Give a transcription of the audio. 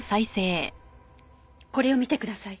これを見てください。